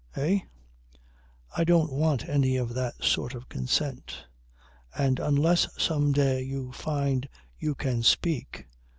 Eh? I don't want any of that sort of consent. And unless some day you find you can speak